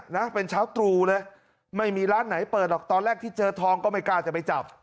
นะเป็นเช้าตรูเลยไม่มีร้านไหนเปิดหรอกตอนแรกที่เจอทองก็ไม่กล้าจะไปจับ